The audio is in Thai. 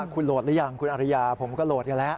คุณโหลดแล้วยังคุณอารยาผมก็โหลดอยู่แล้ว